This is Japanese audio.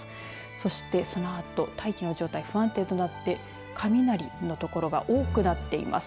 そして、そのあと大気の状態が不安定となって雷の所が多くなっています。